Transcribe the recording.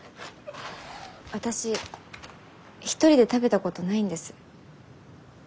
・私一人で食べたことないんです。